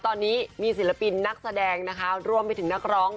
ตอนนี้มีศิลปินนักแสดงนะคะรวมไปถึงนักร้อง